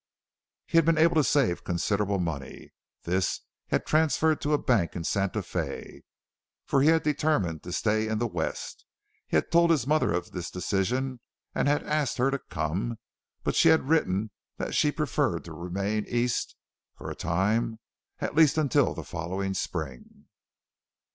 He had been able to save considerable money. This he had transferred to a bank in Santa Fe, for he had determined to stay in the West. He had told his mother of this decision and had asked her to come, but she had written that she preferred to remain East for a time at least until the following spring.